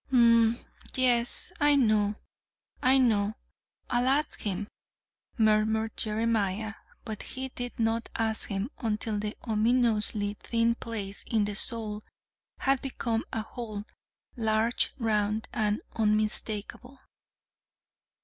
"Hm m, yes, I know, I know. I'll ask him," murmured Jeremiah but he did not ask him until the ominously thin place in the sole had become a hole, large, round, and unmistakable.